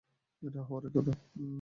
এটা তো হওয়ার ই কথা।